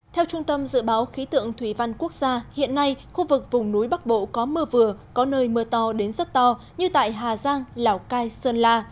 theo trung tâm dự báo khí tượng thủy văn quốc gia hiện nay khu vực vùng núi bắc bộ có mưa vừa có nơi mưa to đến rất to như tại hà giang lào cai sơn la